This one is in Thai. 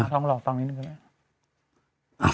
ถึงผู้กลับรอต่างกัน